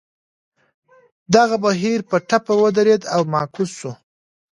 دغه بهیر په ټپه ودرېد او معکوس شو.